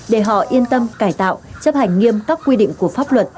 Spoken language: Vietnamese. để họ yên tâm cải tạo chấp hành nghiêm các quy định của pháp luật